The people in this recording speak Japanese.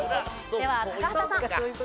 では高畑さん。